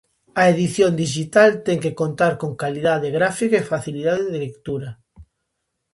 A edición dixital ten que contar con calidade gráfica e facilidade de lectura.